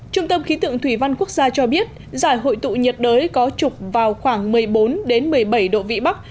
trung tâm khí tượng thủy văn quốc gia cho biết giải hội tụ nhiệt đới có trục vào khoảng một mươi bốn một mươi bảy độ vĩ bắc